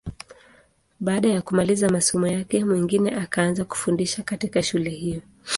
Baada ya kumaliza masomo yake, Mwingine akaanza kufundisha katika shule hiyo.